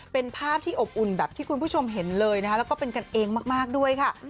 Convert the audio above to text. เป็นภาพที่อบอุ่นแบบที่คุณผู้ชมเห็นเลยนะคะแล้วก็เป็นกันเองมากด้วยค่ะ